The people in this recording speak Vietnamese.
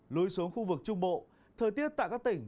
lui xuống khu vực trung bộ thời tiết tại các tỉnh